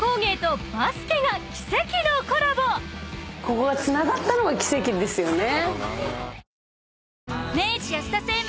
ここがつながったのが奇跡ですよね。